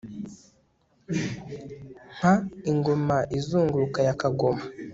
Nka ingoma izunguruka ya kagoma